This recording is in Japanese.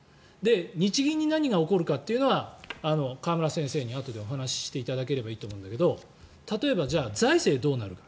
日銀に何が起こるかというのは河村先生にあとでお話していただければいいと思うんだけど例えば財政がどうなるか。